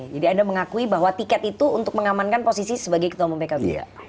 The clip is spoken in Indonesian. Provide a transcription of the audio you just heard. jadi anda mengakui bahwa tiket itu untuk mengamankan posisi sebagai ketua umum pkb